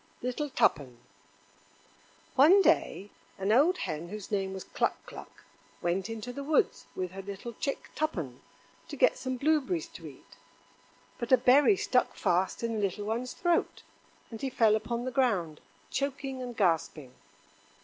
Little Tuppen One day an old hen whose name was Cluck cluck went into the woods with her little chick Tuppen to get some blueberries to eat. But a berry stuck fast in the little one's throat, and he fell upon the ground, choking and gasping.